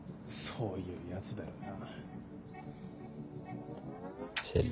そういうやつだよな。